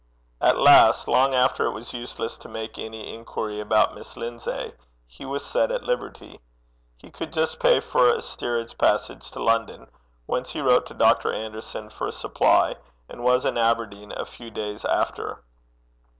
At last, long after it was useless to make any inquiry about Miss Lindsay, he was set at liberty. He could just pay for a steerage passage to London, whence he wrote to Dr. Anderson for a supply, and was in Aberdeen a few days after.